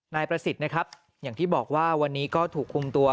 นายประสิทธิ์นะครับอย่างที่บอกว่าวันนี้ก็ถูกคุมตัว